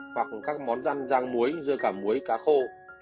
hoặc các món răn rang muối dưa cả muối cá khô